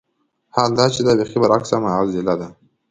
حال دا چې دا بېخي برعکس معاضله ده.